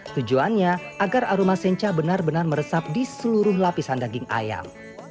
tujuannya agar aroma sencha benar benar meresap di seluruh lapisan daging ayam